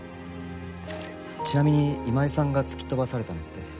ちなみに今井さんが突き飛ばされたのって？